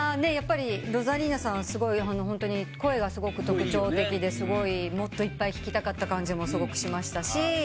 やっぱりロザリーナさん声がすごく特徴的でもっといっぱい聴きたかった感じもすごくしました。